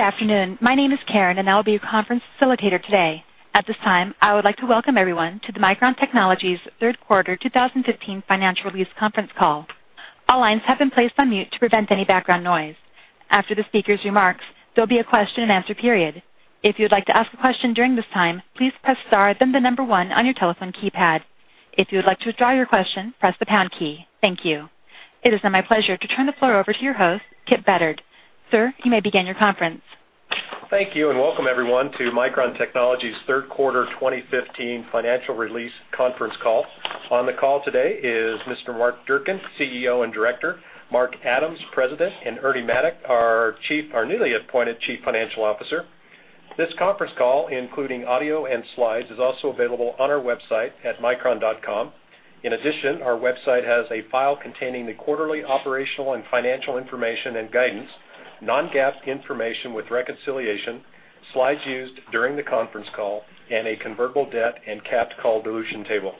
Good afternoon. My name is Karen, and I'll be your conference facilitator today. At this time, I would like to welcome everyone to Micron Technology's third quarter 2015 financial release conference call. All lines have been placed on mute to prevent any background noise. After the speaker's remarks, there'll be a question and answer period. If you'd like to ask a question during this time, please press star, then the number one on your telephone keypad. If you would like to withdraw your question, press the pound key. Thank you. It is now my pleasure to turn the floor over to your host, Kipp Beddard. Sir, you may begin your conference. Thank you, and welcome everyone to Micron Technology's third quarter 2015 financial release conference call. On the call today is Mr. Mark Durcan, CEO and Director, Mark Adams, President, and Ernie Maddock, our newly appointed Chief Financial Officer. This conference call, including audio and slides, is also available on our website at micron.com. In addition, our website has a file containing the quarterly operational and financial information and guidance, non-GAAP information with reconciliation, slides used during the conference call, and a convertible debt and capped call dilution table.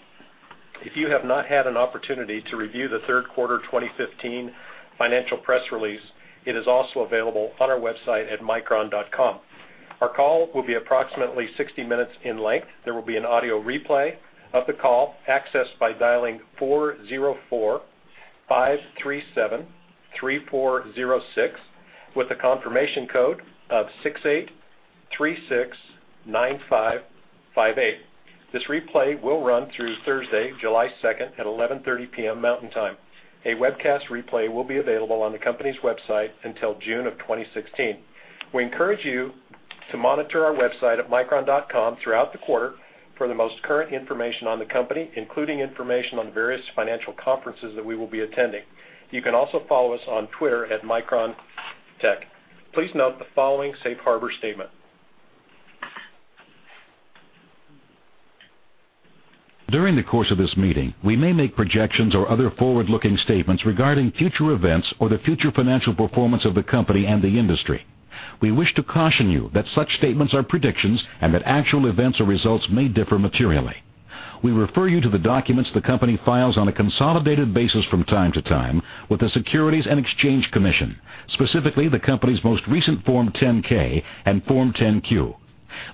If you have not had an opportunity to review the third quarter 2015 financial press release, it is also available on our website at micron.com. Our call will be approximately 60 minutes in length. There will be an audio replay of the call, accessed by dialing 404-537-3406 with the confirmation code of 68369558. This replay will run through Thursday, July 2nd at 11:30 P.M. Mountain Time. A webcast replay will be available on the company's website until June of 2016. We encourage you to monitor our website at micron.com throughout the quarter for the most current information on the company, including information on various financial conferences that we will be attending. You can also follow us on Twitter at MicronTech. Please note the following safe harbor statement. During the course of this meeting, we may make projections or other forward-looking statements regarding future events or the future financial performance of the company and the industry. We wish to caution you that such statements are predictions and that actual events or results may differ materially. We refer you to the documents the company files on a consolidated basis from time to time with the Securities and Exchange Commission, specifically the company's most recent Form 10-K and Form 10-Q.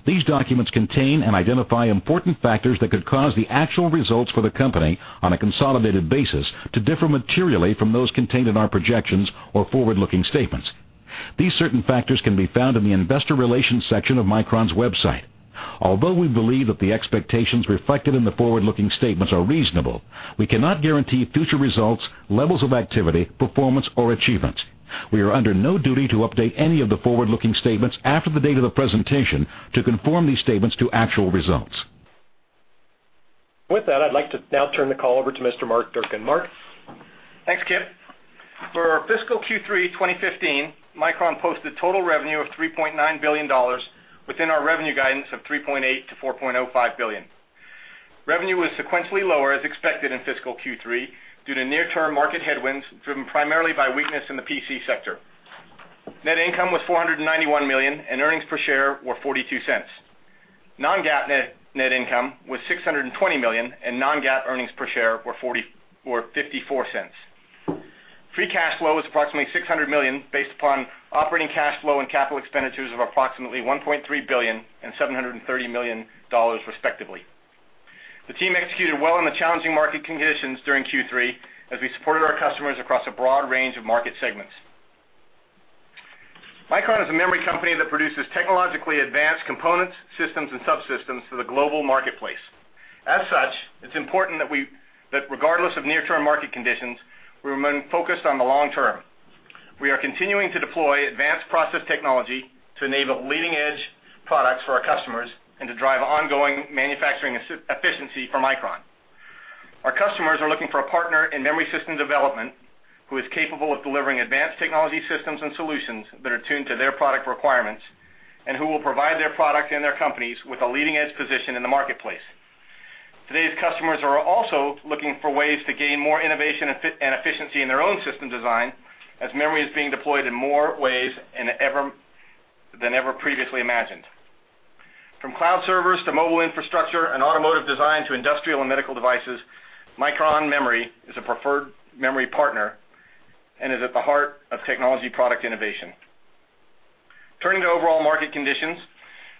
These documents contain and identify important factors that could cause the actual results for the company on a consolidated basis to differ materially from those contained in our projections or forward-looking statements. These certain factors can be found in the investor relations section of Micron's website. Although we believe that the expectations reflected in the forward-looking statements are reasonable, we cannot guarantee future results, levels of activity, performance, or achievements. We are under no duty to update any of the forward-looking statements after the date of the presentation to conform these statements to actual results. With that, I'd like to now turn the call over to Mr. Mark Durcan. Mark? Thanks, Kipp. For fiscal Q3 2015, Micron posted total revenue of $3.9 billion within our revenue guidance of $3.8 billion-$4.05 billion. Revenue was sequentially lower as expected in fiscal Q3 due to near-term market headwinds driven primarily by weakness in the PC sector. Net income was $491 million and earnings per share were $0.42. Non-GAAP net income was $620 million, and non-GAAP earnings per share were $0.54. Free cash flow was approximately $600 million based upon operating cash flow and capital expenditures of approximately $1.3 billion and $730 million respectively. The team executed well in the challenging market conditions during Q3 as we supported our customers across a broad range of market segments. Micron is a memory company that produces technologically advanced components, systems, and subsystems for the global marketplace. As such, it's important that regardless of near-term market conditions, we remain focused on the long term. We are continuing to deploy advanced process technology to enable leading-edge products for our customers and to drive ongoing manufacturing efficiency for Micron. Our customers are looking for a partner in memory system development who is capable of delivering advanced technology systems and solutions that are tuned to their product requirements and who will provide their product and their companies with a leading-edge position in the marketplace. Today's customers are also looking for ways to gain more innovation and efficiency in their own system design as memory is being deployed in more ways than ever previously imagined. From cloud servers to mobile infrastructure and automotive design to industrial and medical devices, Micron Memory is a preferred memory partner and is at the heart of technology product innovation. Turning to overall market conditions,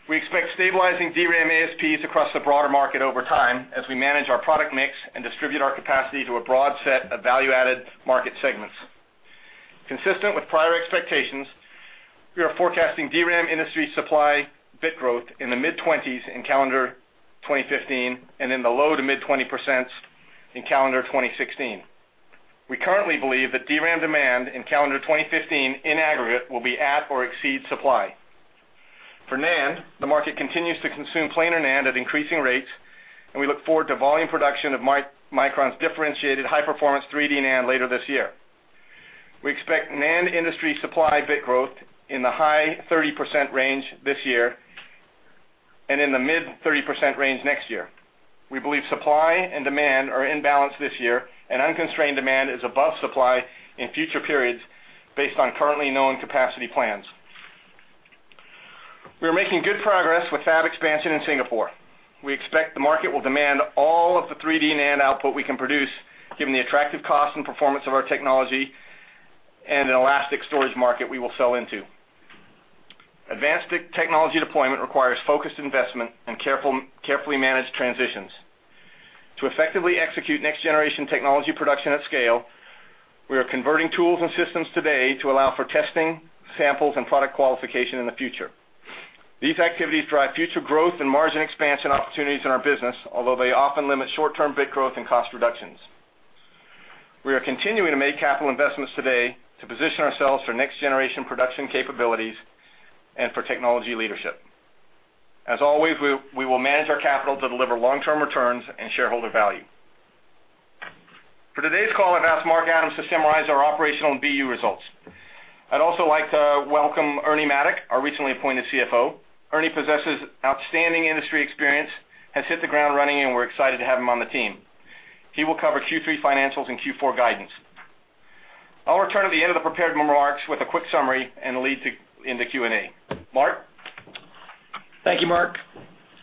we expect stabilizing DRAM ASPs across the broader market over time as we manage our product mix and distribute our capacity to a broad set of value-added market segments. Consistent with prior expectations, we are forecasting DRAM industry supply bit growth in the mid-20s in calendar 2015 and in the low to mid 20% in calendar 2016. We currently believe that DRAM demand in calendar 2015 in aggregate will be at or exceed supply. For NAND, the market continues to consume planar NAND at increasing rates, and we look forward to volume production of Micron's differentiated high-performance 3D NAND later this year. We expect NAND industry supply bit growth in the high 30% range this year and in the mid 30% range next year. We believe supply and demand are in balance this year. Unconstrained demand is above supply in future periods based on currently known capacity plans. We are making good progress with fab expansion in Singapore. We expect the market will demand all of the 3D NAND output we can produce, given the attractive cost and performance of our technology and an elastic storage market we will sell into. Advanced technology deployment requires focused investment and carefully managed transitions. To effectively execute next-generation technology production at scale, we are converting tools and systems today to allow for testing, samples, and product qualification in the future. These activities drive future growth and margin expansion opportunities in our business, although they often limit short-term bit growth and cost reductions. We are continuing to make capital investments today to position ourselves for next-generation production capabilities and for technology leadership. As always, we will manage our capital to deliver long-term returns and shareholder value. For today's call, I've asked Mark Adams to summarize our operational and BU results. I'd also like to welcome Ernie Maddock, our recently appointed CFO. Ernie possesses outstanding industry experience, has hit the ground running, and we're excited to have him on the team. He will cover Q3 financials and Q4 guidance. I'll return at the end of the prepared remarks with a quick summary and lead in the Q&A. Mark? Thank you, Mark.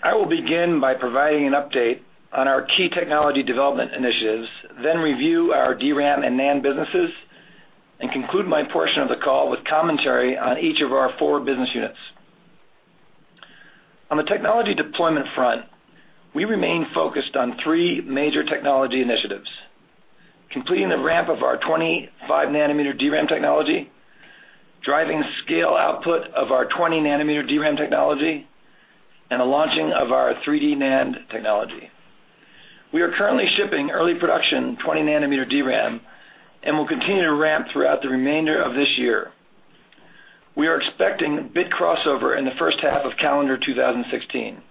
I will begin by providing an update on our key technology development initiatives, then review our DRAM and NAND businesses, and conclude my portion of the call with commentary on each of our four business units. On the technology deployment front, we remain focused on three major technology initiatives: completing the ramp of our 25-nanometer DRAM technology, driving scale output of our 20-nanometer DRAM technology, and the launching of our 3D NAND technology. We are currently shipping early production 20-nanometer DRAM and will continue to ramp throughout the remainder of this year. We are expecting bit crossover in the first half of calendar 2016.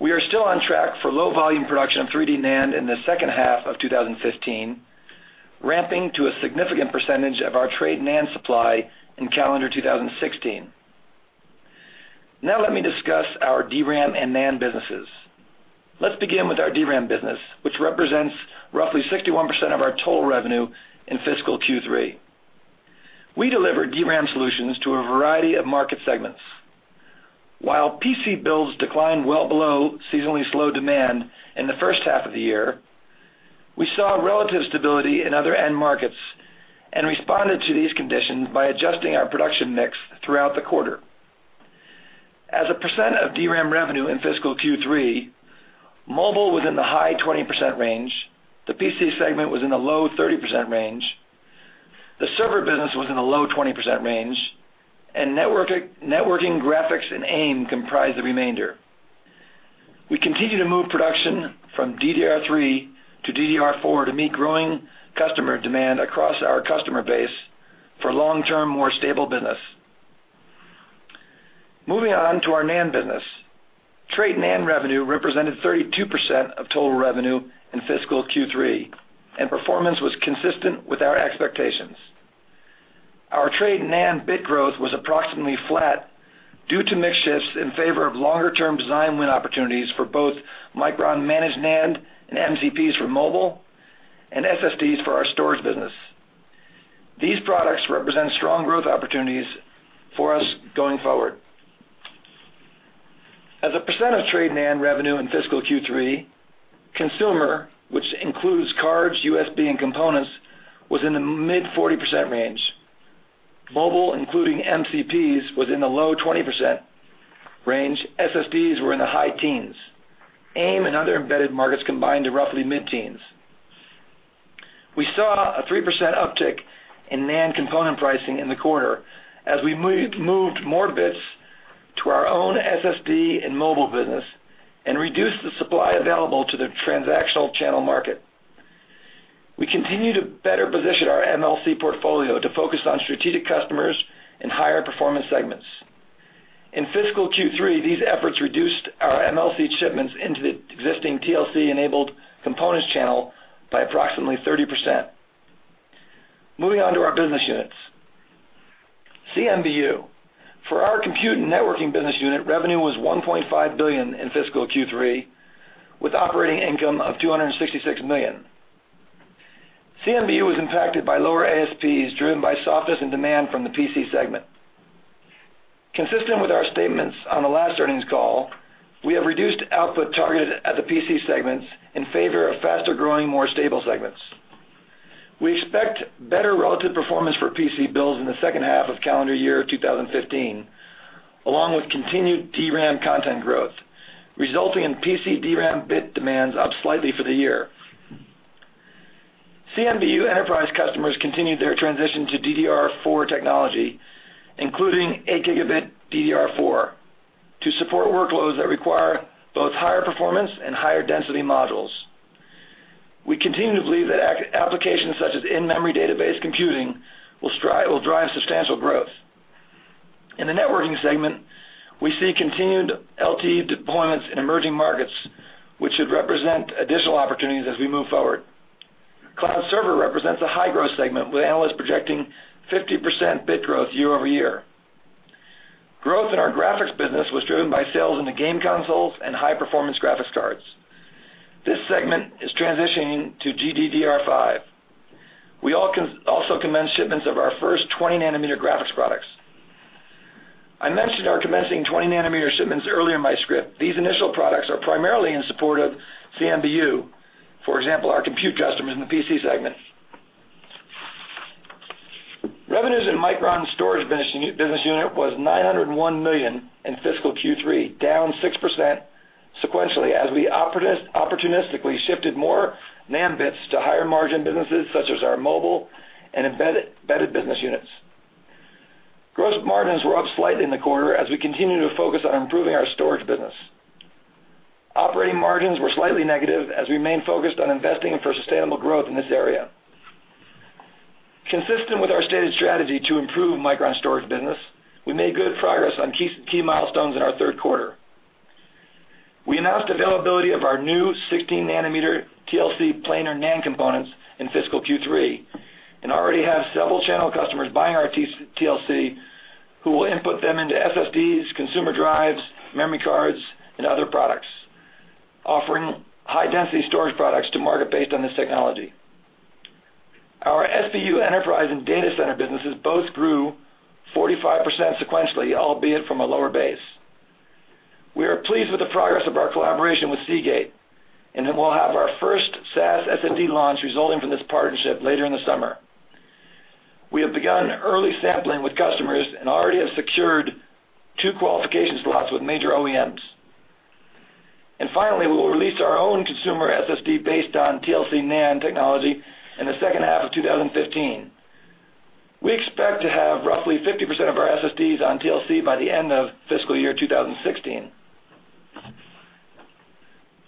We are still on track for low-volume production of 3D NAND in the second half of 2015, ramping to a significant percentage of our trade NAND supply in calendar 2016. Now let me discuss our DRAM and NAND businesses. Let's begin with our DRAM business, which represents roughly 61% of our total revenue in fiscal Q3. We deliver DRAM solutions to a variety of market segments. While PC builds declined well below seasonally slow demand in the first half of the year, we saw relative stability in other end markets and responded to these conditions by adjusting our production mix throughout the quarter. As a percent of DRAM revenue in fiscal Q3, mobile was in the high 20% range, the PC segment was in the low 30% range, the server business was in the low 20% range, and networking, graphics, and AIM comprised the remainder. We continue to move production from DDR3 to DDR4 to meet growing customer demand across our customer base for long-term, more stable business. Moving on to our NAND business. Trade NAND revenue represented 32% of total revenue in fiscal Q3. Performance was consistent with our expectations. Our trade NAND bit growth was approximately flat due to mix shifts in favor of longer-term design win opportunities for both Micron Managed NAND and MCPs for mobile and SSDs for our storage business. These products represent strong growth opportunities for us going forward. As a percent of trade NAND revenue in fiscal Q3, consumer, which includes cards, USB, and components, was in the mid-40% range. Mobile, including MCPs, was in the low 20% range. SSDs were in the high teens. AIM and other embedded markets combined to roughly mid-teens. We saw a 3% uptick in NAND component pricing in the quarter as we moved more bits to our own SSD and mobile business and reduced the supply available to the transactional channel market. We continue to better position our MLC portfolio to focus on strategic customers and higher-performance segments. In fiscal Q3, these efforts reduced our MLC shipments into the existing TLC-enabled components channel by approximately 30%. Moving on to our business units. CMBU. For our compute and networking business unit, revenue was $1.5 billion in fiscal Q3, with operating income of $266 million. CMBU was impacted by lower ASPs driven by softness and demand from the PC segment. Consistent with our statements on the last earnings call, we have reduced output targeted at the PC segments in favor of faster-growing, more stable segments. We expect better relative performance for PC builds in the second half of calendar year 2015, along with continued DRAM content growth, resulting in PC DRAM bit demands up slightly for the year. CMBU enterprise customers continued their transition to DDR4 technology, including 8 gigabit DDR4, to support workloads that require both higher performance and higher density modules. We continue to believe that applications such as in-memory database computing will drive substantial growth. In the networking segment, we see continued LTE deployments in emerging markets, which should represent additional opportunities as we move forward. Cloud server represents a high-growth segment, with analysts projecting 50% bit growth year-over-year. Growth in our graphics business was driven by sales into game consoles and high-performance graphics cards. This segment is transitioning to GDDR5. We also commenced shipments of our first 20-nanometer graphics products. I mentioned our commencing 20-nanometer shipments earlier in my script. These initial products are primarily in support of CMBU, for example, our compute customers in the PC segment. Revenues in Micron storage business unit were $901 million in fiscal Q3, down 6% sequentially, as we opportunistically shifted more NAND bits to higher margin businesses such as our mobile and embedded business units. Gross margins were up slightly in the quarter as we continue to focus on improving our storage business. Operating margins were slightly negative as we remain focused on investing for sustainable growth in this area. Consistent with our stated strategy to improve Micron storage business, we made good progress on key milestones in our third quarter. We announced availability of our new 16-nanometer TLC planar NAND components in fiscal Q3, and already have several channel customers buying our TLC who will input them into SSDs, consumer drives, memory cards, and other products, offering high-density storage products to market based on this technology. Our SBU enterprise and data center businesses both grew 45% sequentially, albeit from a lower base. We are pleased with the progress of our collaboration with Seagate, we'll have our first SAS SSD launch resulting from this partnership later in the summer. We have begun early sampling with customers and already have secured two qualifications slots with major OEMs. Finally, we will release our own consumer SSD based on TLC NAND technology in the second half of 2015. We expect to have roughly 50% of our SSDs on TLC by the end of fiscal year 2016.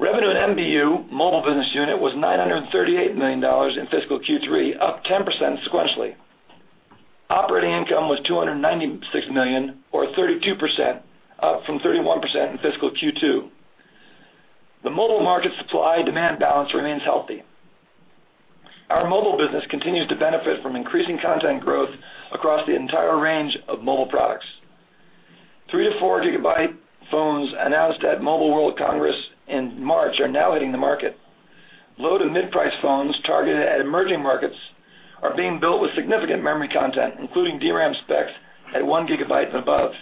Revenue in MBU, Mobile Business Unit, was $938 million in fiscal Q3, up 10% sequentially. Operating income was $296 million, or 32%, up from 31% in fiscal Q2. The mobile market supply-demand balance remains healthy. Our mobile business continues to benefit from increasing content growth across the entire range of mobile products. Three to four gigabyte phones announced at Mobile World Congress in March are now hitting the market. Low to mid-price phones targeted at emerging markets are being built with significant memory content, including DRAM specs at 1 gigabyte and above.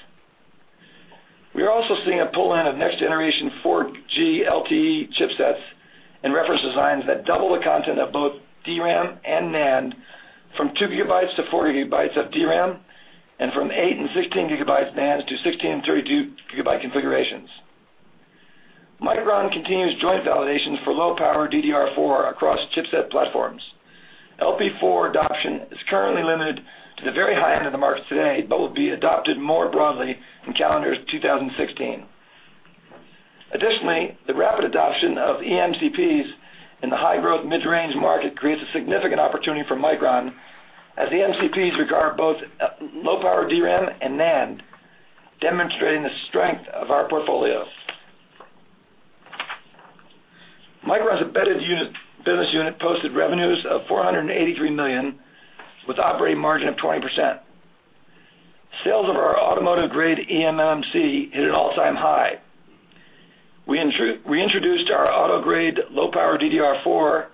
We are also seeing a pull-in of next-generation 4G LTE chipsets and reference designs that double the content of both DRAM and NAND from 2 gigabytes to 4 gigabytes of DRAM and from 8 and 16 gigabytes NANDs to 16 and 32 gigabyte configurations. Micron continues joint validations for low-power DDR4 across chipset platforms. LP4 adoption is currently limited to the very high end of the market today, but will be adopted more broadly in calendar 2016. The rapid adoption of eMCPs in the high-growth mid-range market creates a significant opportunity for Micron as eMCPs regard both low-power DRAM and NAND, demonstrating the strength of our portfolio. Micron's Embedded Business Unit posted revenues of $483 million with operating margin of 20%. Sales of our automotive-grade eMMC hit an all-time high. We introduced our auto-grade low-power DDR4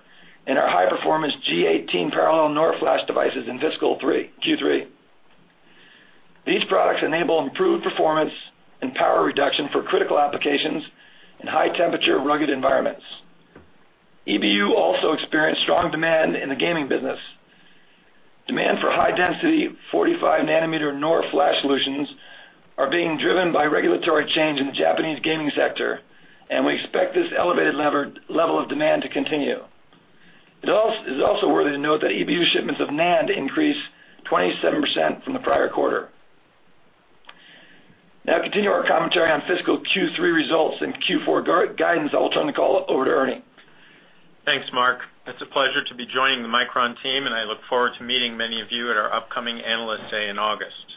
and our high-performance G18 parallel NOR Flash devices in fiscal Q3. These products enable improved performance and power reduction for critical applications in high-temperature, rugged environments. EBU also experienced strong demand in the gaming business. Demand for high-density 45-nanometer NOR Flash solutions are being driven by regulatory change in the Japanese gaming sector, we expect this elevated level of demand to continue. It is also worthy to note that EBU shipments of NAND increased 27% from the prior quarter. To continue our commentary on fiscal Q3 results and Q4 guidance, I'll turn the call over to Ernie. Thanks, Mark. It's a pleasure to be joining the Micron team, and I look forward to meeting many of you at our upcoming Analyst Day in August.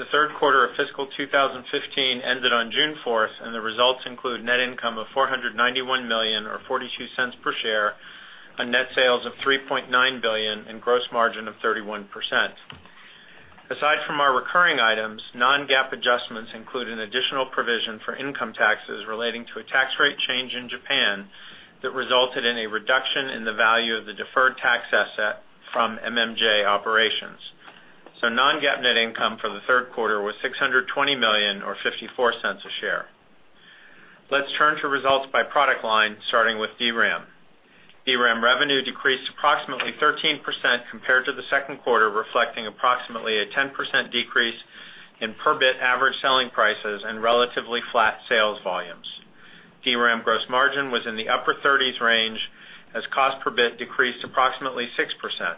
The third quarter of fiscal 2015 ended on June 4th, and the results include net income of $491 million or $0.42 per share on net sales of $3.9 billion and gross margin of 31%. Aside from our recurring items, non-GAAP adjustments include an additional provision for income taxes relating to a tax rate change in Japan that resulted in a reduction in the value of the deferred tax asset from MMJ operations. Non-GAAP net income for the third quarter was $620 million or $0.54 a share. Let's turn to results by product line, starting with DRAM. DRAM revenue decreased approximately 13% compared to the second quarter, reflecting approximately a 10% decrease in per bit average selling prices and relatively flat sales volumes. DRAM gross margin was in the upper 30s range as cost per bit decreased approximately 6%.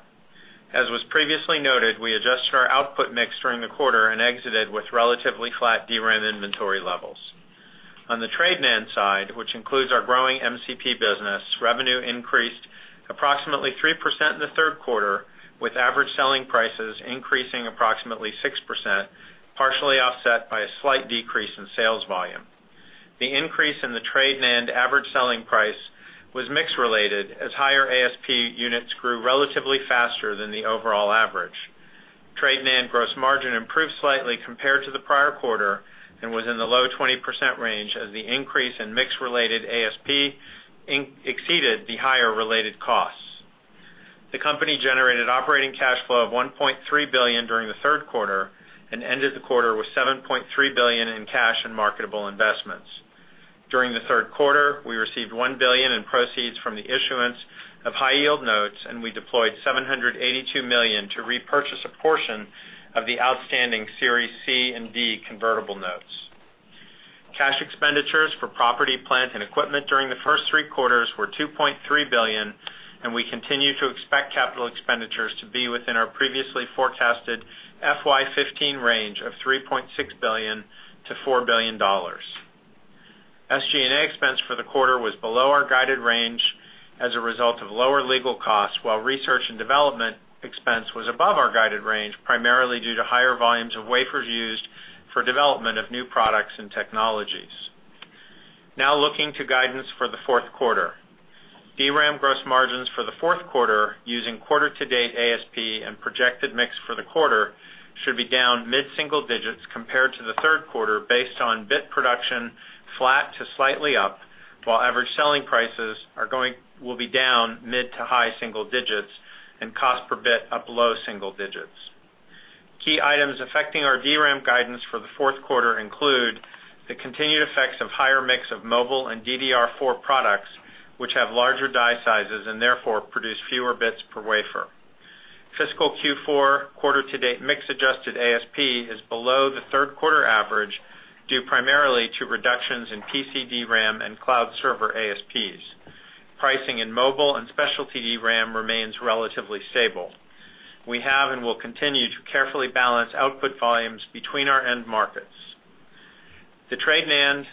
As was previously noted, we adjusted our output mix during the quarter and exited with relatively flat DRAM inventory levels. On the trade NAND side, which includes our growing MCP business, revenue increased approximately 3% in the third quarter, with average selling prices increasing approximately 6%, partially offset by a slight decrease in sales volume. The increase in the trade NAND average selling price was mix-related, as higher ASP units grew relatively faster than the overall average. Trade NAND gross margin improved slightly compared to the prior quarter and was in the low 20% range as the increase in mix-related ASP exceeded the higher related costs. The company generated operating cash flow of $1.3 billion during the third quarter and ended the quarter with $7.3 billion in cash and marketable investments. During the third quarter, we received $1 billion in proceeds from the issuance of high-yield notes, and we deployed $782 million to repurchase a portion of the outstanding Series C and D convertible notes. Cash expenditures for property, plant, and equipment during the first three quarters were $2.3 billion, and we continue to expect capital expenditures to be within our previously forecasted FY 2015 range of $3.6 billion-$4 billion. SG&A expense for the quarter was below our guided range as a result of lower legal costs, while research and development expense was above our guided range, primarily due to higher volumes of wafers used for development of new products and technologies. Looking to guidance for the fourth quarter. DRAM gross margins for the fourth quarter, using quarter-to-date ASP and projected mix for the quarter, should be down mid-single digits compared to the third quarter based on bit production flat to slightly up, while average selling prices will be down mid to high single digits and cost per bit up low single digits. Key items affecting our DRAM guidance for the fourth quarter include the continued effects of higher mix of mobile and DDR4 products, which have larger die sizes and therefore produce fewer bits per wafer. Fiscal Q4 quarter-to-date mix-adjusted ASP is below the third quarter average, due primarily to reductions in PC DRAM and cloud server ASPs. Pricing in mobile and specialty DRAM remains relatively stable. We have and will continue to carefully balance output volumes between our end markets. The trade NAND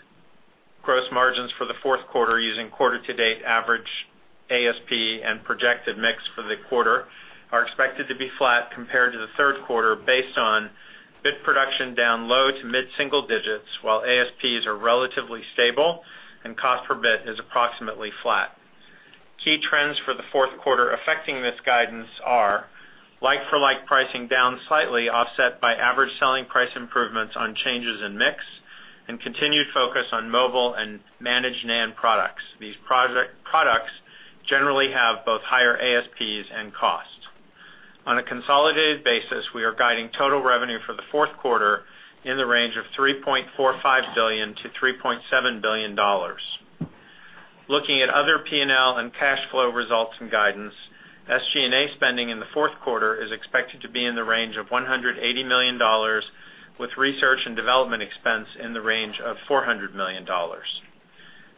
gross margins for the fourth quarter, using quarter-to-date average ASP and projected mix for the quarter, are expected to be flat compared to the third quarter based on bit production down low to mid-single digits, while ASPs are relatively stable and cost per bit is approximately flat. Key trends for the fourth quarter affecting this guidance are like-for-like pricing down slightly offset by average selling price improvements on changes in mix and continued focus on mobile and Managed NAND products. These products generally have both higher ASPs and costs. On a consolidated basis, we are guiding total revenue for the fourth quarter in the range of $3.45 billion-$3.7 billion. Looking at other P&L and cash flow results and guidance, SG&A spending in the fourth quarter is expected to be in the range of $180 million, with research and development expense in the range of $400 million.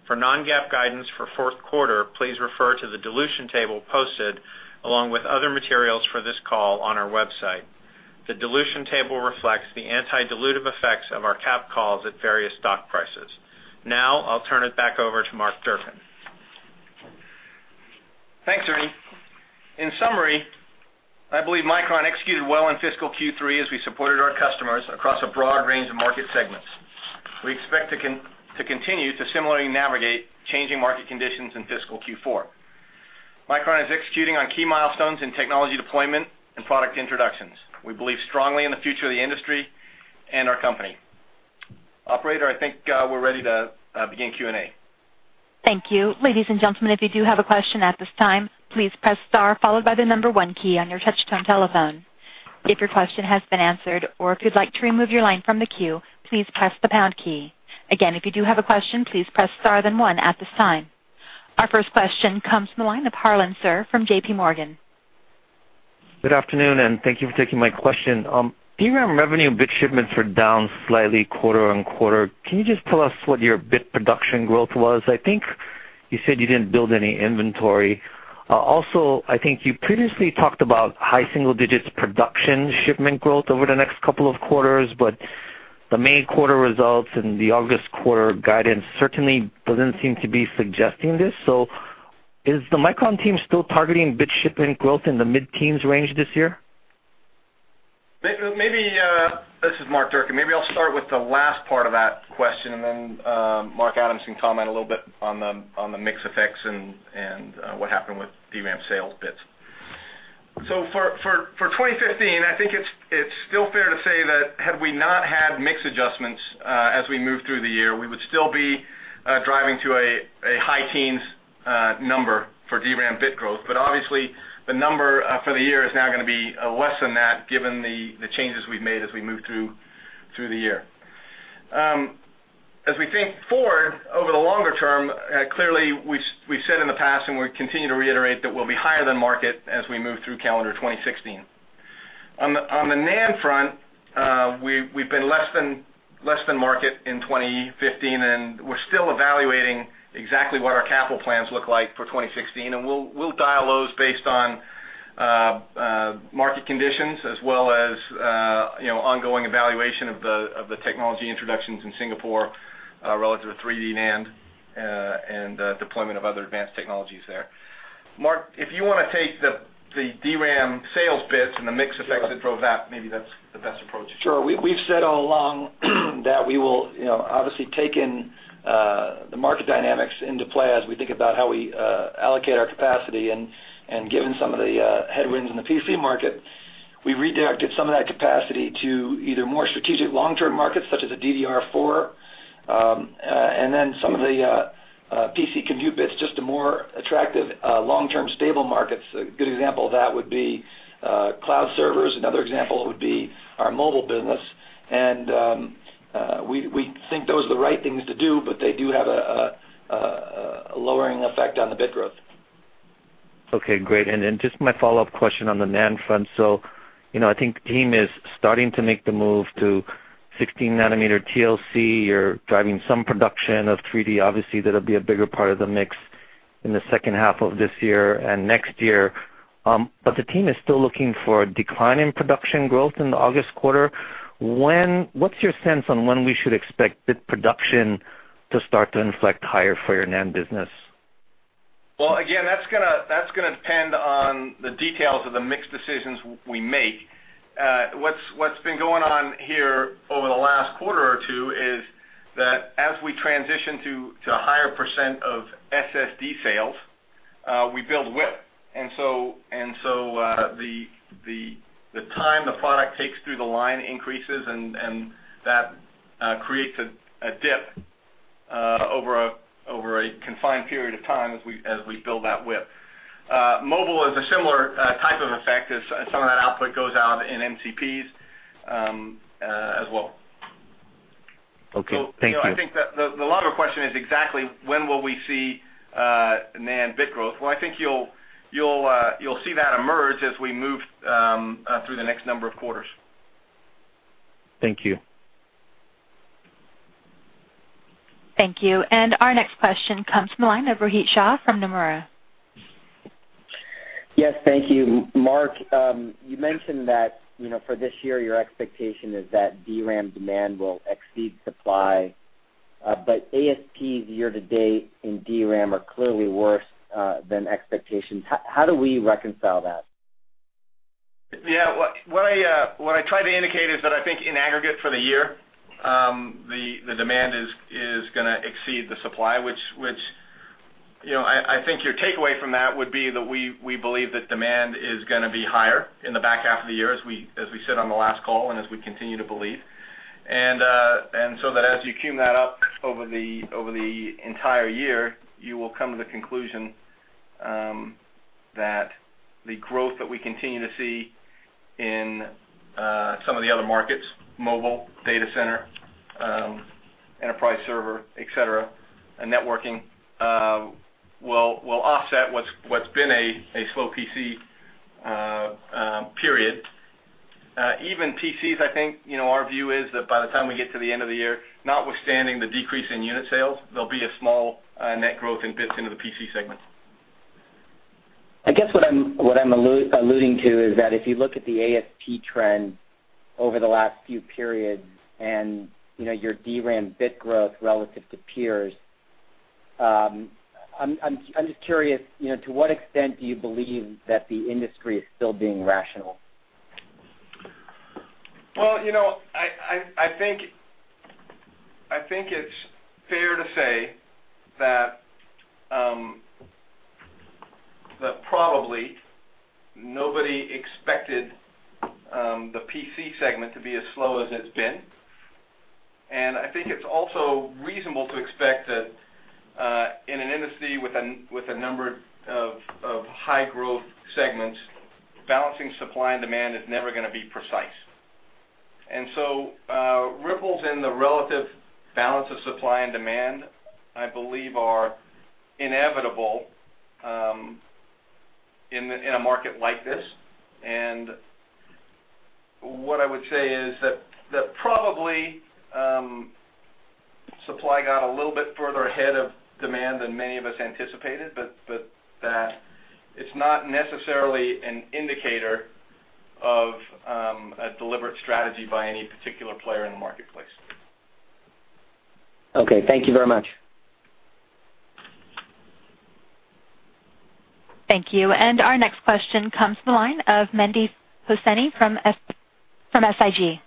For non-GAAP guidance for fourth quarter, please refer to the dilution table posted along with other materials for this call on our website. The dilution table reflects the anti-dilutive effects of our cap calls at various stock prices. Now, I'll turn it back over to Mark Durcan. Thanks, Ernie. In summary, I believe Micron executed well in fiscal Q3 as we supported our customers across a broad range of market segments. We expect to continue to similarly navigate changing market conditions in fiscal Q4. Micron is executing on key milestones in technology deployment and product introductions. We believe strongly in the future of the industry and our company. Operator, I think we're ready to begin Q&A. Thank you. Ladies and gentlemen, if you do have a question at this time, please press star followed by the number one key on your touch-tone telephone. If your question has been answered or if you'd like to remove your line from the queue, please press the pound key. Again, if you do have a question, please press star then one at this time. Our first question comes from the line of Harlan Sur from JPMorgan. Good afternoon. Thank you for taking my question. DRAM revenue bit shipments were down slightly quarter-on-quarter. Can you just tell us what your bit production growth was? I think you said you didn't build any inventory. Also, I think you previously talked about high single-digit production shipment growth over the next couple of quarters, but the main quarter results and the August quarter guidance certainly doesn't seem to be suggesting this. Is the Micron team still targeting bit shipment growth in the mid-teens range this year? This is Mark Durcan. Maybe I'll start with the last part of that question. Then Mark Adams can comment a little bit on the mix effects and what happened with DRAM sales bits. For 2015, I think it's still fair to say that had we not had mix adjustments as we moved through the year, we would still be driving to a high-teens number for DRAM bit growth. Obviously, the number for the year is now going to be less than that given the changes we've made as we move through the year. As we think forward over the longer term, clearly we've said in the past, and we continue to reiterate, that we'll be higher than market as we move through calendar 2016. On the NAND front, we've been less than market in 2015. We're still evaluating exactly what our capital plans look like for 2016. We'll dial those based on market conditions as well as ongoing evaluation of the technology introductions in Singapore relative to 3D NAND and deployment of other advanced technologies there. Mark, if you want to take the DRAM sales bits and the mix effects that drove that, maybe that's the best approach. Sure. We've said all along that we will obviously take in the market dynamics into play as we think about how we allocate our capacity, given some of the headwinds in the PC market We redirected some of that capacity to either more strategic long-term markets, such as the DDR4, then some of the PC compute bits, just to more attractive long-term stable markets. A good example of that would be cloud servers. Another example would be our mobile business. We think those are the right things to do, but they do have a lowering effect on the bit growth. Okay, great. Just my follow-up question on the NAND front. I think the team is starting to make the move to 16-nanometer TLC. You're driving some production of 3D. Obviously, that'll be a bigger part of the mix in the second half of this year and next year. The team is still looking for a decline in production growth in the August quarter. What's your sense on when we should expect bit production to start to inflect higher for your NAND business? Well, again, that's going to depend on the details of the mix decisions we make. What's been going on here over the last quarter or two is that as we transition to a higher percent of SSD sales, we build WIP. The time the product takes through the line increases, and that creates a dip over a confined period of time as we build that WIP. Mobile is a similar type of effect as some of that output goes out in MCPs as well. Okay. Thank you. I think that the longer question is exactly when will we see NAND bit growth. I think you'll see that emerge as we move through the next number of quarters. Thank you. Thank you. Our next question comes from the line of Romit Shah from Nomura. Yes, thank you. Mark, you mentioned that for this year, your expectation is that DRAM demand will exceed supply, but ASPs year to date in DRAM are clearly worse than expectations. How do we reconcile that? Yeah. What I tried to indicate is that I think in aggregate for the year, the demand is going to exceed the supply, which I think your takeaway from that would be that we believe that demand is going to be higher in the back half of the year, as we said on the last call and as we continue to believe. That as you sum that up over the entire year, you will come to the conclusion that the growth that we continue to see in some of the other markets, mobile, data center, enterprise server, et cetera, and networking, will offset what's been a slow PC period. Even PCs, I think, our view is that by the time we get to the end of the year, notwithstanding the decrease in unit sales, there'll be a small net growth in bits into the PC segment. I guess what I'm alluding to is that if you look at the ASP trend over the last few periods and your DRAM bit growth relative to peers, I'm just curious, to what extent do you believe that the industry is still being rational? Well, I think it's fair to say that probably nobody expected the PC segment to be as slow as it's been. I think it's also reasonable to expect that in an industry with a number of high-growth segments, balancing supply and demand is never going to be precise. Ripples in the relative balance of supply and demand, I believe, are inevitable in a market like this. What I would say is that probably supply got a little bit further ahead of demand than many of us anticipated, but that it's not necessarily an indicator of a deliberate strategy by any particular player in the marketplace. Okay. Thank you very much. Thank you. Our next question comes from the line of Mehdi Hosseini from SIG.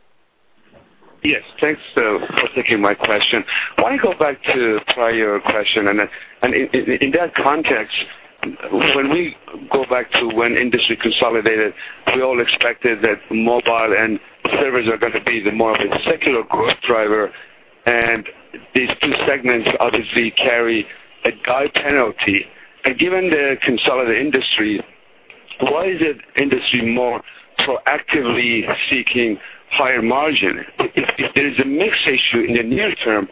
Yes. Thanks for taking my question. I want to go back to a prior question. In that context, when we go back to when industry consolidated, we all expected that mobile and servers are going to be the more of a secular growth driver. These two segments obviously carry a die penalty. Given the consolidated industry, why is the industry more proactively seeking higher margin? If there is a mix issue in the near term,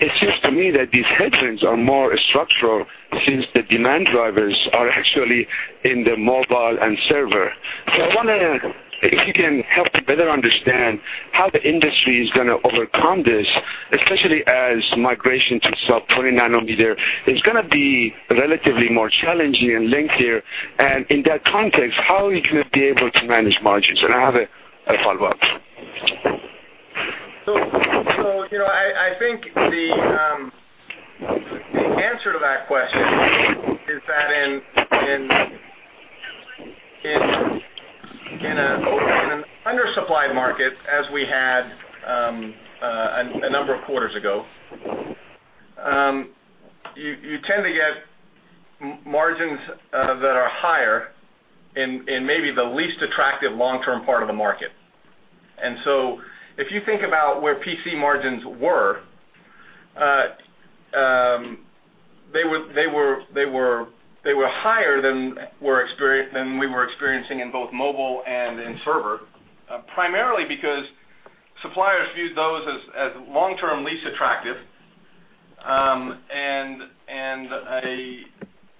it seems to me that these headwinds are more structural since the demand drivers are actually in the mobile and server. I wonder if you can help to better understand how the industry is going to overcome this, especially as migration to sub 20-nanometer is going to be relatively more challenging and lengthier. In that context, how are you going to be able to manage margins? I have a follow-up. I think the answer to that question is that in an undersupplied market, as we had a number of quarters ago, you tend to get margins that are higher in maybe the least attractive long-term part of the market. If you think about where PC margins were, they were higher than we were experiencing in both mobile and in server, primarily because suppliers viewed those as long-term least attractive,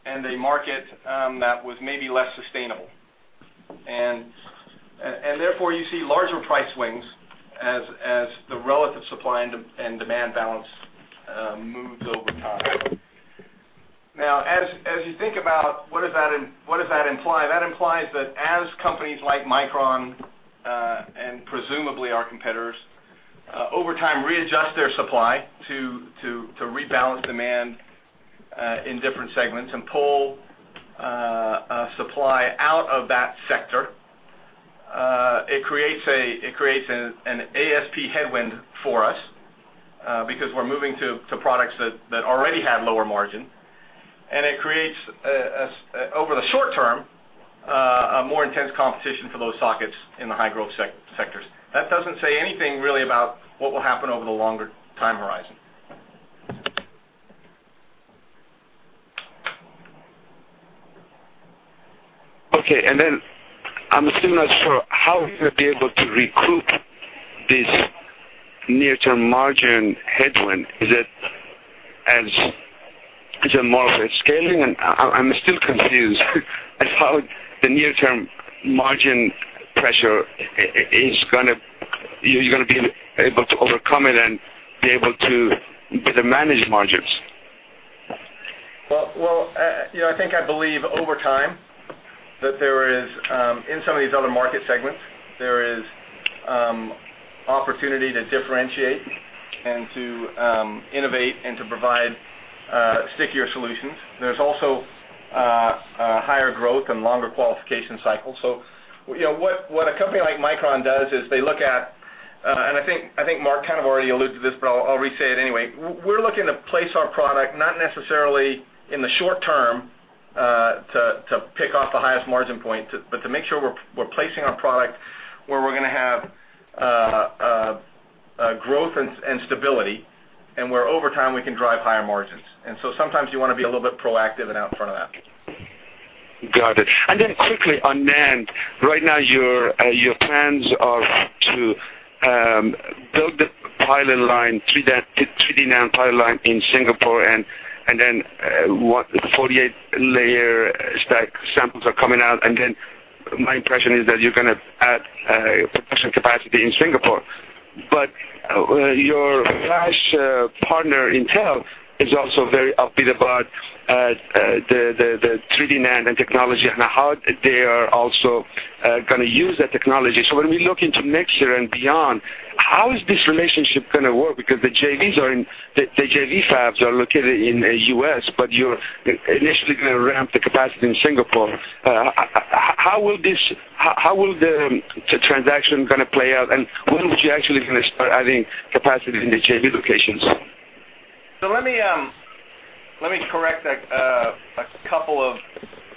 and a market that was maybe less sustainable. Therefore, you see larger price swings as the relative supply and demand balance moves over time. As you think about what does that imply, that implies that as companies like Micron, and presumably our competitors, over time, readjust their supply to rebalance demand, in different segments and pull supply out of that sector, it creates an ASP headwind for us, because we're moving to products that already had lower margin. It creates, over the short term, a more intense competition for those sockets in the high-growth sectors. That doesn't say anything really about what will happen over the longer time horizon. Okay. I'm still not sure how you're going to be able to recoup this near-term margin headwind. Is it more of a scaling? I'm still confused at how the near-term margin pressure, you're going to be able to overcome it and be able to manage margins. Well, I think I believe over time that there is, in some of these other market segments, there is opportunity to differentiate and to innovate and to provide stickier solutions. There's also higher growth and longer qualification cycles. What a company like Micron does is they look at, and I think Mark kind of already alluded to this, but I'll re-say it anyway. We're looking to place our product not necessarily in the short term, to pick off the highest margin point, but to make sure we're placing our product where we're going to have growth and stability, and where over time we can drive higher margins. Sometimes you want to be a little bit proactive and out in front of that. Got it. Quickly on NAND, right now your plans are to build the pilot line, 3D NAND pilot line in Singapore. Then 48-layer stack samples are coming out. My impression is that you're going to add production capacity in Singapore. Your flash partner, Intel, is also very upbeat about the 3D NAND technology and how they are also going to use that technology. When we look into next year and beyond, how is this relationship going to work? Because the JV fabs are located in the U.S., but you're initially going to ramp the capacity in Singapore. How will the transaction going to play out, and when would you actually going to start adding capacity in the JV locations? Let me correct a couple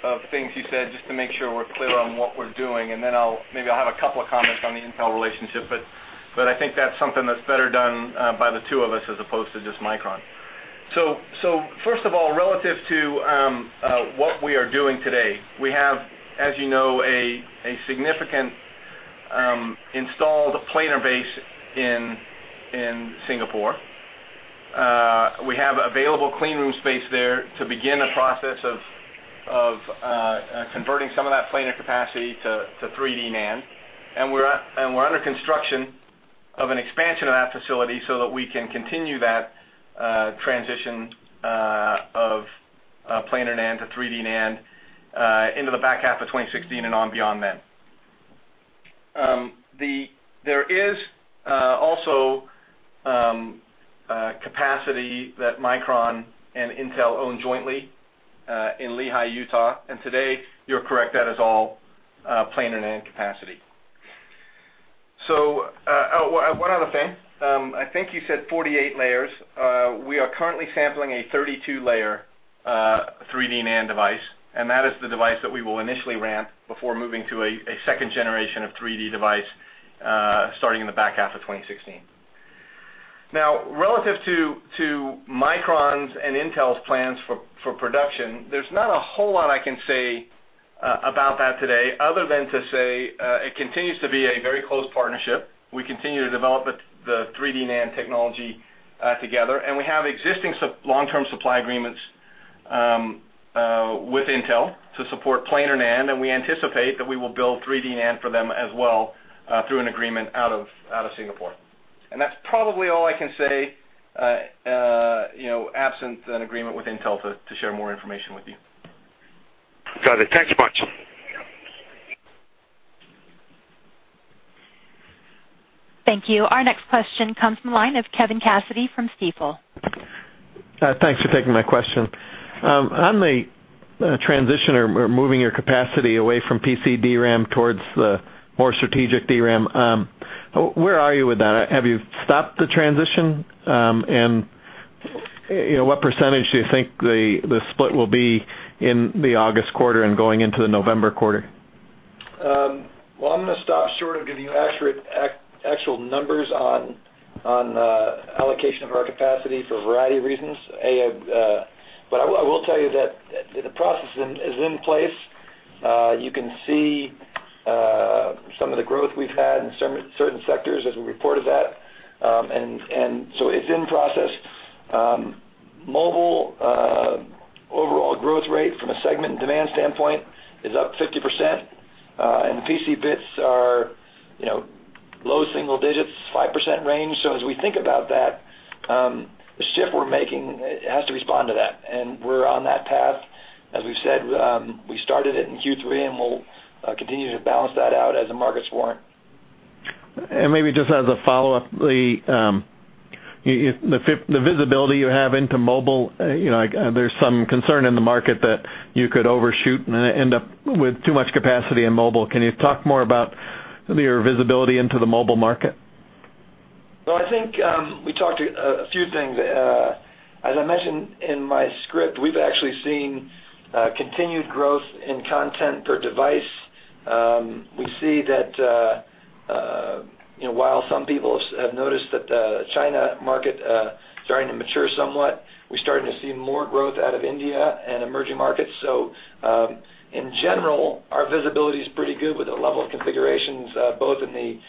of things you said just to make sure we're clear on what we're doing. Then maybe I'll have a couple of comments on the Intel relationship, but I think that's something that's better done by the two of us as opposed to just Micron. First of all, relative to what we are doing today, we have, as you know, a significant installed planar base in Singapore. We have available clean room space there to begin the process of converting some of that planar capacity to 3D NAND. We're under construction of an expansion of that facility so that we can continue that transition of planar NAND to 3D NAND into the back half of 2016 and on beyond then. There is also capacity that Micron and Intel own jointly, in Lehi, Utah. Today, you're correct, that is all planar NAND capacity. One other thing, I think you said 48-layer. We are currently sampling a 32-layer 3D NAND device, and that is the device that we will initially ramp before moving to a second generation of 3D device, starting in the back half of 2016. Relative to Micron's and Intel's plans for production, there's not a whole lot I can say about that today other than to say, it continues to be a very close partnership. We continue to develop the 3D NAND technology together, and we have existing long-term supply agreements with Intel to support planar NAND, and we anticipate that we will build 3D NAND for them as well through an agreement out of Singapore. That's probably all I can say, absent an agreement with Intel to share more information with you. Got it. Thanks much. Thank you. Our next question comes from the line of Kevin Cassidy from Stifel. Thanks for taking my question. On the transition or moving your capacity away from PC DRAM towards the more strategic DRAM Where are you with that? Have you stopped the transition? What percentage do you think the split will be in the August quarter and going into the November quarter? Well, I'm going to stop short of giving you actual numbers on allocation of our capacity for a variety of reasons. I will tell you that the process is in place. You can see some of the growth we've had in certain sectors, as we reported that. It's in process. Mobile overall growth rate from a segment and demand standpoint is up 50%, and PC bits are low single digits, 5% range. As we think about that, the shift we're making has to respond to that, and we're on that path. As we've said, we started it in Q3, and we'll continue to balance that out as the markets warrant. Maybe just as a follow-up, the visibility you have into mobile, there's some concern in the market that you could overshoot and end up with too much capacity in mobile. Can you talk more about your visibility into the mobile market? I think we talked a few things. As I mentioned in my script, we've actually seen continued growth in content per device. We see that while some people have noticed that the China market starting to mature somewhat, we're starting to see more growth out of India and emerging markets. In general, our visibility is pretty good with the level of configurations both in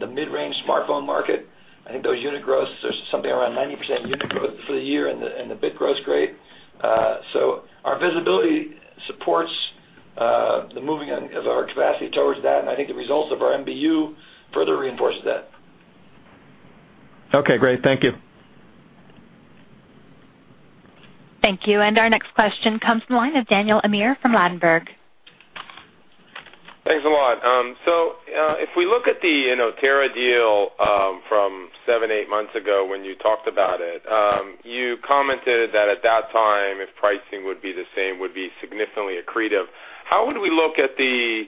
the mid-range smartphone market. I think those unit growths are something around 90% unit growth for the year and the bit growth rate. Our visibility supports the moving of our capacity towards that, and I think the results of our MBU further reinforces that. Great. Thank you. Thank you. Our next question comes from the line of Daniel Amir from Ladenburg. Thanks a lot. If we look at the Inotera deal from seven, eight months ago when you talked about it, you commented that at that time, if pricing would be the same, would be significantly accretive. How would we look at the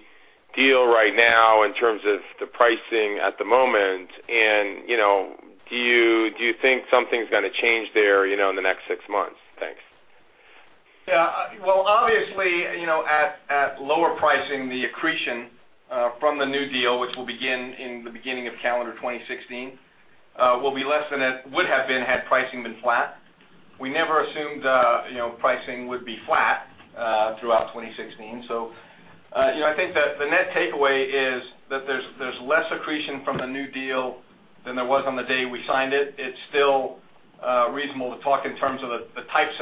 deal right now in terms of the pricing at the moment? Do you think something's going to change there in the next six months? Thanks. Well, obviously, at lower pricing, the accretion from the new deal, which will begin in the beginning of calendar 2016, will be less than it would have been had pricing been flat. We never assumed pricing would be flat throughout 2016. I think that the net takeaway is that there's less accretion from the new deal than there was on the day we signed it. It's still reasonable to talk in terms of the types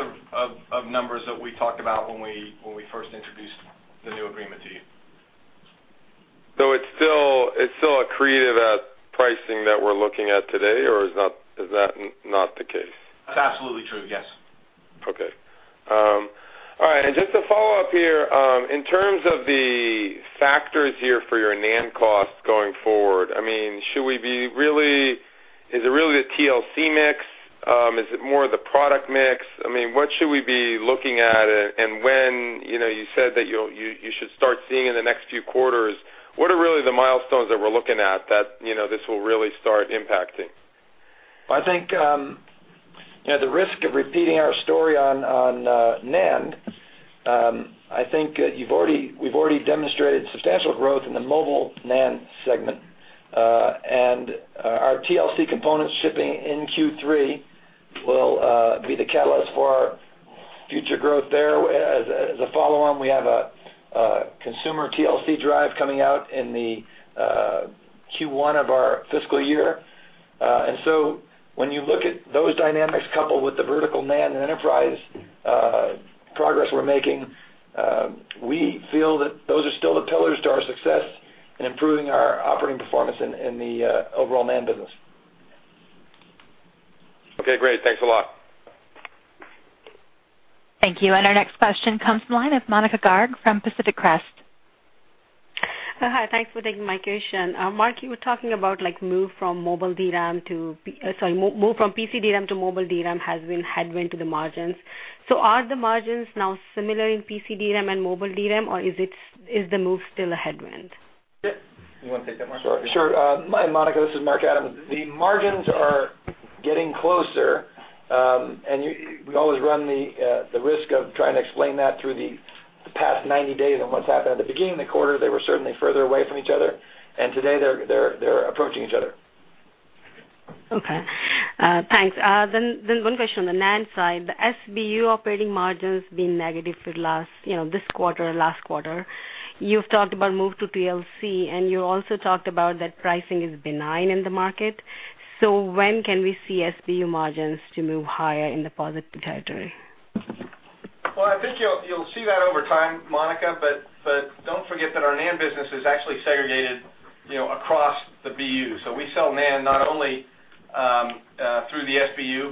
of numbers that we talked about when we first introduced the new agreement to you. It's still accretive at pricing that we're looking at today, or is that not the case? That's absolutely true. Yes. Okay. All right. Just to follow up here, in terms of the factors here for your NAND costs going forward, should we be, is it really the TLC mix? Is it more the product mix? What should we be looking at and when? You said that you should start seeing in the next few quarters. What are really the milestones that we're looking at that this will really start impacting? I think, at the risk of repeating our story on NAND, I think we've already demonstrated substantial growth in the mobile NAND segment, our TLC components shipping in Q3 will be the catalyst for our future growth there. As a follow-on, we have a consumer TLC drive coming out in the Q1 of our fiscal year. When you look at those dynamics coupled with the vertical NAND and enterprise progress we're making, we feel that those are still the pillars to our success in improving our operating performance in the overall NAND business. Okay, great. Thanks a lot. Thank you. Our next question comes from the line of Monika Garg from Pacific Crest. Hi. Thanks for taking my question. Mark, you were talking about move from PC DRAM to mobile DRAM has been headwind to the margins. Are the margins now similar in PC DRAM and mobile DRAM, or is the move still a headwind? You want to take that, Mark Adams? Sure. Monika, this is Mark Adams. The margins are getting closer, and we always run the risk of trying to explain that through the past 90 days and what's happened. At the beginning of the quarter, they were certainly further away from each other, and today they're approaching each other. Okay. Thanks. One question on the NAND side, the SBU operating margins being negative for this quarter or last quarter. You've talked about move to TLC, and you also talked about that pricing is benign in the market. When can we see SBU margins to move higher in the positive territory? I think you'll see that over time, Monika, don't forget that our NAND business is actually segregated across the BU. We sell NAND not only through the SBU,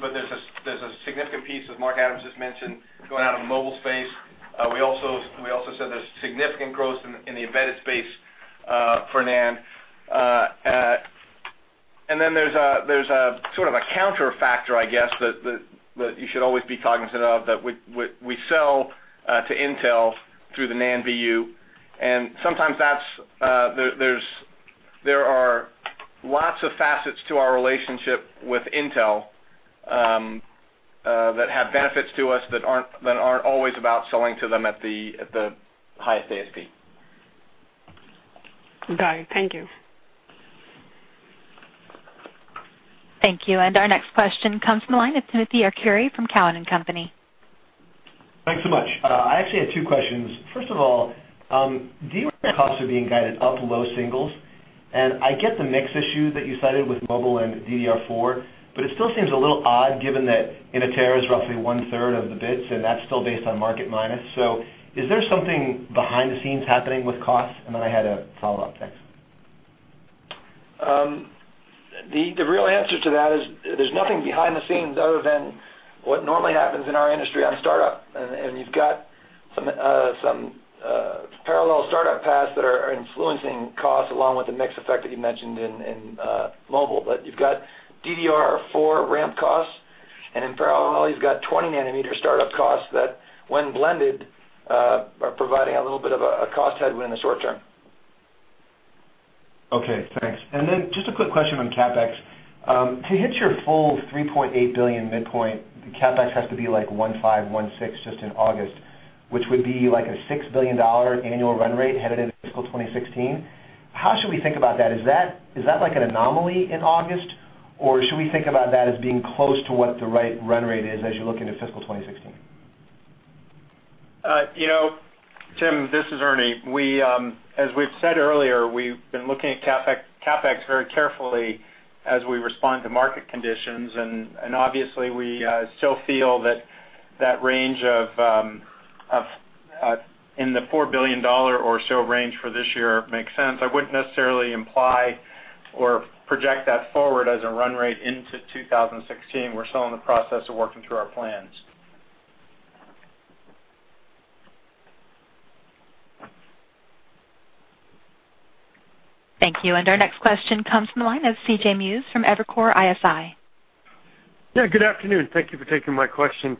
there's a significant piece, as Mark Adams just mentioned, going out of the mobile space. We also said there's significant growth in the embedded space for NAND. At There's a counter factor, I guess, that you should always be cognizant of, that we sell to Intel through the NAND BU. Sometimes there are lots of facets to our relationship with Intel that have benefits to us that aren't always about selling to them at the highest ASP. Got it. Thank you. Thank you. Our next question comes from the line of Timothy Arcuri from Cowen and Company. Thanks so much. I actually had two questions. First of all, DRAM costs are being guided up low singles, I get the mix issue that you cited with mobile and DDR4, it still seems a little odd given that Inotera is roughly one-third of the bits, that's still based on market minus. Is there something behind the scenes happening with costs? I had a follow-up. Thanks. The real answer to that is there's nothing behind the scenes other than what normally happens in our industry on startup. You've got some parallel startup paths that are influencing costs along with the mix effect that you mentioned in mobile. You've got DDR4 ramp costs, and in parallel, you've got 20-nanometer startup costs that, when blended, are providing a little bit of a cost headwind in the short term. Okay, thanks. Just a quick question on CapEx. To hit your full $3.8 billion midpoint, the CapEx has to be like 1.5, 1.6 just in August, which would be like a $6 billion annual run rate headed into fiscal 2016. How should we think about that? Is that like an anomaly in August, or should we think about that as being close to what the right run rate is as you look into fiscal 2016? Tim, this is Ernie. As we've said earlier, we've been looking at CapEx very carefully as we respond to market conditions, obviously, we still feel that range in the $4 billion or so range for this year makes sense. I wouldn't necessarily imply or project that forward as a run rate into 2016. We're still in the process of working through our plans. Thank you. Our next question comes from the line of C.J. Muse from Evercore ISI. Yeah, good afternoon. Thank you for taking my question.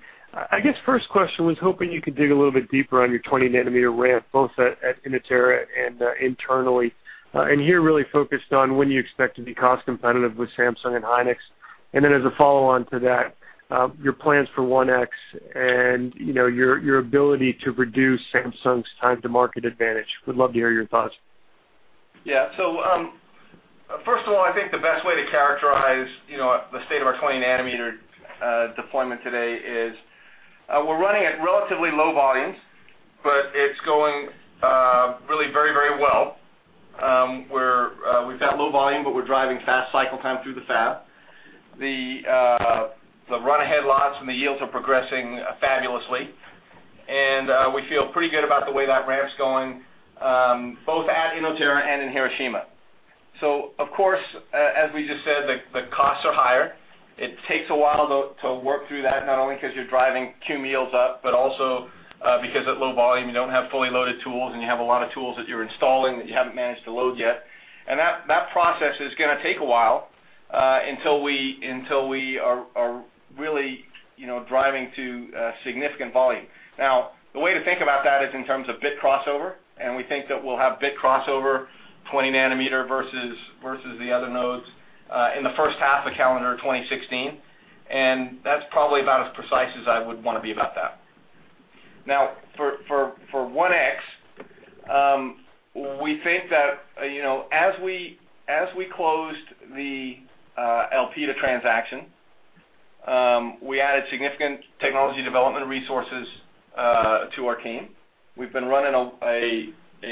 I guess first question was hoping you could dig a little bit deeper on your 20-nanometer ramp, both at Inotera and internally, and here really focused on when you expect to be cost competitive with Samsung and Hynix. Then as a follow-on to that, your plans for 1X and your ability to reduce Samsung's time to market advantage. Would love to hear your thoughts. Yeah. First of all, I think the best way to characterize the state of our 20-nanometer deployment today is we're running at relatively low volumes, but it's going really very well. We've got low volume, but we're driving fast cycle time through the fab. The run-ahead lots and the yields are progressing fabulously, and we feel pretty good about the way that ramp's going, both at Inotera and in Hiroshima. Of course, as we just said, the costs are higher. It takes a while to work through that, not only because you're driving Q yields up, but also because at low volume, you don't have fully loaded tools, and you have a lot of tools that you're installing that you haven't managed to load yet. That process is going to take a while until we are really driving to significant volume. Now, the way to think about that is in terms of bit crossover, and we think that we'll have bit crossover 20-nanometer versus the other nodes in the first half of calendar 2016. That's probably about as precise as I would want to be about that. Now, for 1X, we think that as we closed the Elpida transaction, we added significant technology development resources to our team. We've been running a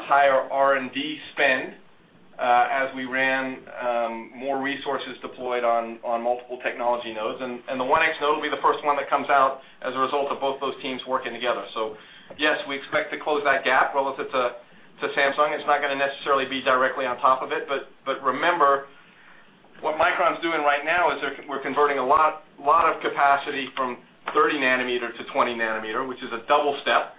higher R&D spend as we ran more resources deployed on multiple technology nodes, and the 1X node will be the first one that comes out as a result of both those teams working together. Yes, we expect to close that gap relative to Samsung. It's not going to necessarily be directly on top of it. Remember, what Micron's doing right now is we're converting a lot of capacity from 30-nanometer to 20-nanometer, which is a double step.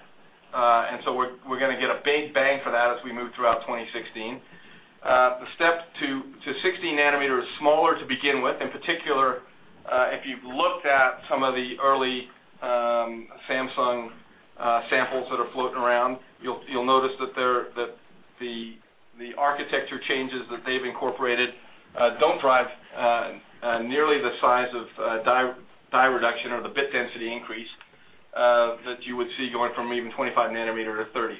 We're going to get a big bang for that as we move throughout 2016. The step to 16-nanometer is smaller to begin with. In particular, if you've looked at some of the early Samsung samples that are floating around, you'll notice that the architecture changes that they've incorporated don't drive nearly the size of die reduction or the bit density increase that you would see going from even 25-nanometer to 30.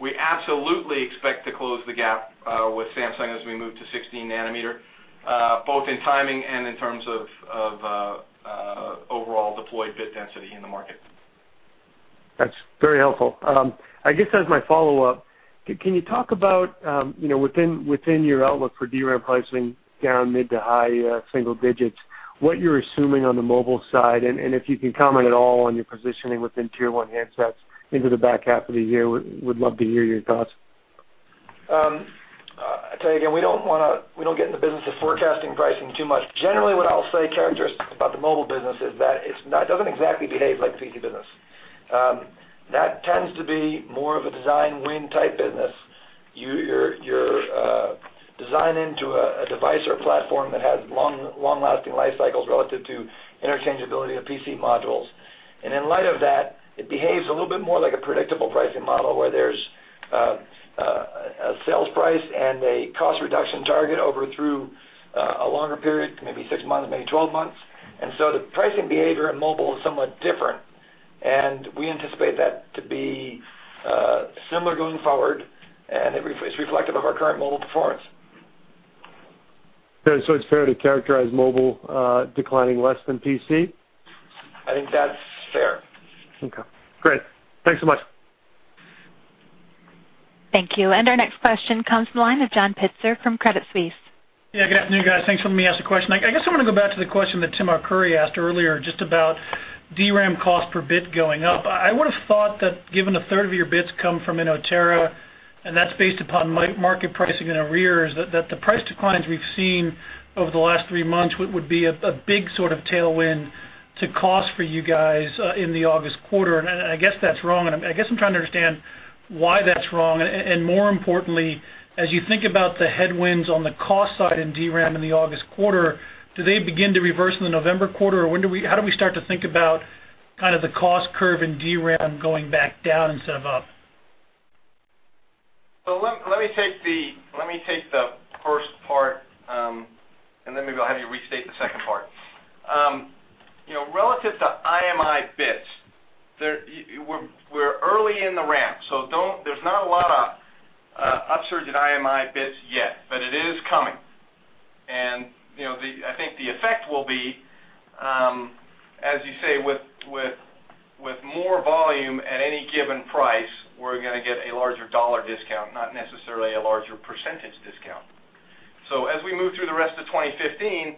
We absolutely expect to close the gap with Samsung as we move to 16-nanometer, both in timing and in terms of overall deployed bit density in the market. That's very helpful. I guess as my follow-up, can you talk about within your outlook for DRAM pricing down mid to high single digits, what you're assuming on the mobile side, and if you can comment at all on your positioning within tier 1 handsets into the back half of the year, would love to hear your thoughts. I tell you again, we don't get in the business of forecasting pricing too much. Generally what I'll say characteristics about the mobile business is that it doesn't exactly behave like the PC business. That tends to be more of a design win type business. You're designing to a device or platform that has long-lasting life cycles relative to interchangeability of PC modules. In light of that, it behaves a little bit more like a predictable pricing model, where there's a sales price and a cost reduction target over through a longer period, maybe six months, maybe 12 months. The pricing behavior in mobile is somewhat different, and we anticipate that to be similar going forward, and it's reflective of our current mobile performance. Okay, it's fair to characterize mobile declining less than PC? I think that's fair. Okay, great. Thanks so much. Thank you. Our next question comes from the line of John Pitzer from Credit Suisse. Yeah, good afternoon, guys. Thanks for letting me ask a question. I guess I want to go back to the question that Tim Arcuri asked earlier, just about DRAM cost per bit going up. I would've thought that given a third of your bits come from Inotera, and that's based upon market pricing in arrears, that the price declines we've seen over the last three months would be a big sort of tailwind to cost for you guys in the August quarter. I guess that's wrong, and I guess I'm trying to understand why that's wrong. More importantly, as you think about the headwinds on the cost side in DRAM in the August quarter, do they begin to reverse in the November quarter? How do we start to think about kind of the cost curve in DRAM going back down instead of up? Let me take the first part, maybe I'll have you restate the second part. Relative to IMI bits, we're early in the ramp, there's not a lot of upsurge in IMI bits yet, but it is coming. I think the effect will be, as you say, with more volume at any given price, we're going to get a larger dollar discount, not necessarily a larger percentage discount. As we move through the rest of 2015,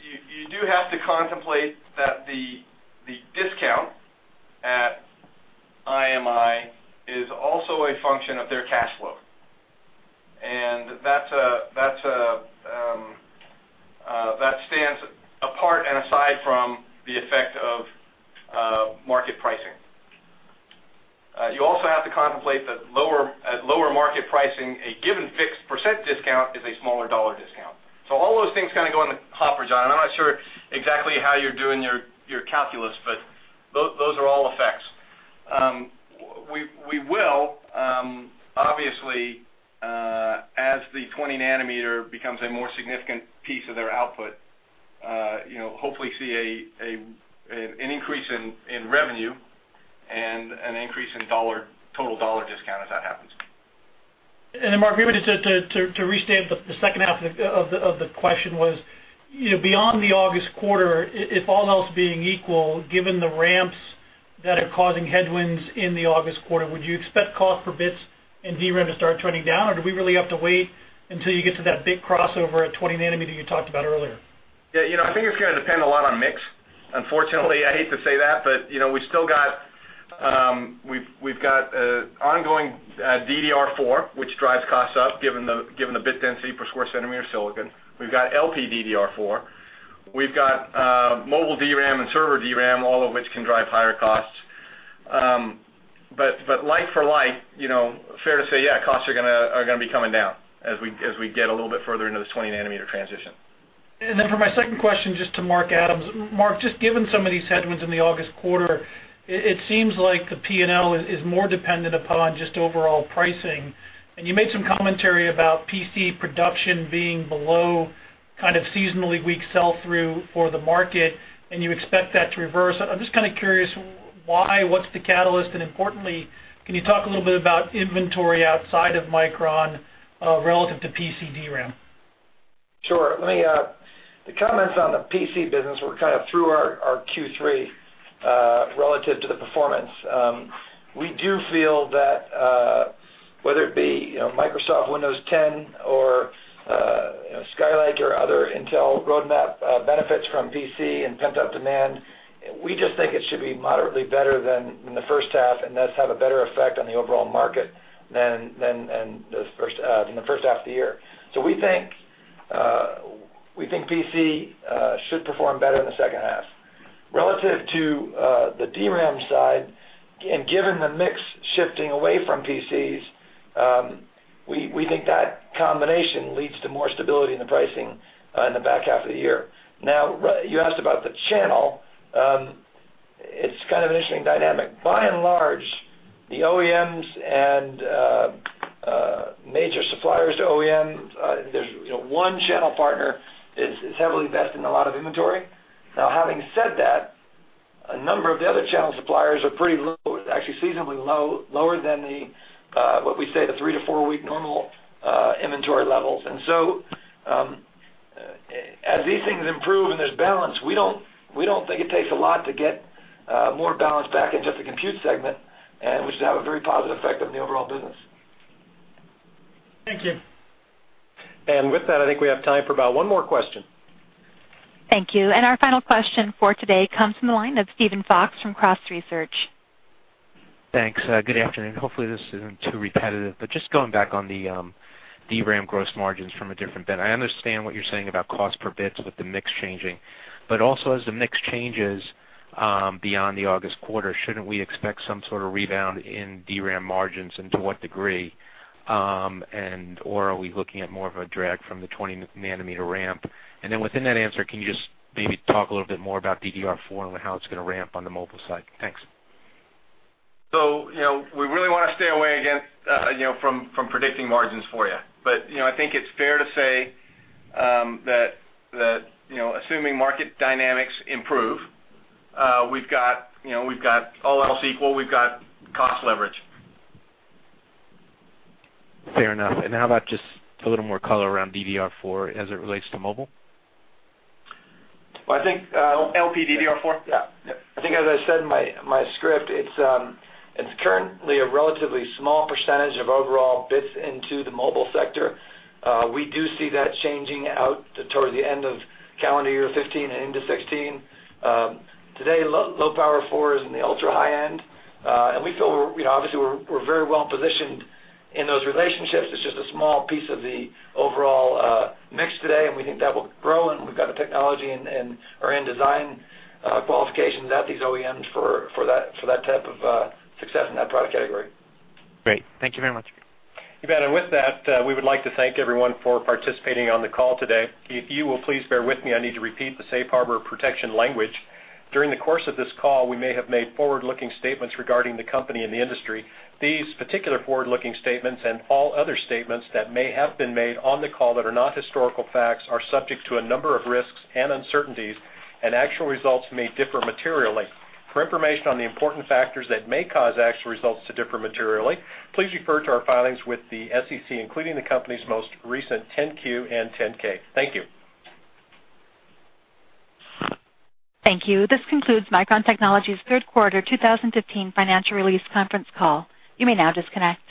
you do have to contemplate that the discount at IMI is also a function of their cash flow. That stands apart and aside from the effect of market pricing. You also have to contemplate that at lower market pricing, a given fixed percent discount is a smaller dollar discount. All those things kind of go in the hopper, John Pitzer. I'm not sure exactly how you're doing your calculus, those are all effects. We will, obviously, as the 20-nanometer becomes a more significant piece of their output, hopefully see an increase in revenue and an increase in total dollar discount as that happens. Mark, maybe just to restate the second half of the question was, beyond the August quarter, if all else being equal, given the ramps that are causing headwinds in the August quarter, would you expect cost per bits in DRAM to start trending down? Or do we really have to wait until you get to that big crossover at 20-nanometer you talked about earlier? Yeah. I think it's going to depend a lot on mix. Unfortunately, I hate to say that, we've got ongoing DDR4, which drives costs up given the bit density per square centimeter silicon. We've got LPDDR4. We've got mobile DRAM and server DRAM, all of which can drive higher costs. Like for like, fair to say, yeah, costs are going to be coming down as we get a little bit further into this 20-nanometer transition. For my second question, just to Mark Adams. Mark, just given some of these headwinds in the August quarter, it seems like the P&L is more dependent upon just overall pricing. You made some commentary about PC production being below kind of seasonally weak sell-through for the market, and you expect that to reverse. I'm just kind of curious why, what's the catalyst, and importantly, can you talk a little bit about inventory outside of Micron relative to PC DRAM? Sure. The comments on the PC business were kind of through our Q3 relative to the performance. We do feel that whether it be Microsoft Windows 10 or Skylake or other Intel roadmap benefits from PC and pent-up demand, we just think it should be moderately better than in the first half, and thus have a better effect on the overall market than in the first half of the year. We think PC should perform better in the second half. Relative to the DRAM side, and given the mix shifting away from PCs, we think that combination leads to more stability in the pricing in the back half of the year. You asked about the channel. It's kind of an interesting dynamic. By and large, the OEMs and major suppliers to OEMs, there's one channel partner is heavily invested in a lot of inventory. Having said that, a number of the other channel suppliers are pretty low, actually seasonally lower than what we say the three- to four-week normal inventory levels. As these things improve and there's balance, we don't think it takes a lot to get more balance back into the compute segment, which should have a very positive effect on the overall business. Thank you. With that, I think we have time for about one more question. Thank you. Our final question for today comes from the line of Steven Fox from Cross Research. Thanks. Good afternoon. Hopefully, this isn't too repetitive, but just going back on the DRAM gross margins from a different bent. I understand what you're saying about cost per bits with the mix changing, but also as the mix changes beyond the August quarter, shouldn't we expect some sort of rebound in DRAM margins and to what degree? Are we looking at more of a drag from the 20-nanometer ramp? Within that answer, can you just maybe talk a little bit more about DDR4 and how it's going to ramp on the mobile side? Thanks. We really want to stay away again from predicting margins for you. I think it's fair to say that assuming market dynamics improve, all else equal, we've got cost leverage. Fair enough. How about just a little more color around DDR4 as it relates to mobile? Well. LPDDR4. Yeah. I think as I said in my script, it's currently a relatively small percentage of overall bits into the mobile sector. We do see that changing out toward the end of calendar year 2015 and into 2016. Today, Low-Power 4 is in the ultra-high end. We feel obviously we're very well-positioned in those relationships. It's just a small piece of the overall mix today, and we think that will grow, and we've got the technology and are in design qualifications at these OEMs for that type of success in that product category. Great. Thank you very much. You bet. With that, we would like to thank everyone for participating on the call today. If you will please bear with me, I need to repeat the safe harbor protection language. During the course of this call, we may have made forward-looking statements regarding the company and the industry. These particular forward-looking statements and all other statements that may have been made on the call that are not historical facts are subject to a number of risks and uncertainties, and actual results may differ materially. For information on the important factors that may cause actual results to differ materially, please refer to our filings with the SEC, including the company's most recent 10-Q and 10-K. Thank you. Thank you. This concludes Micron Technology's third quarter 2015 financial release conference call. You may now disconnect.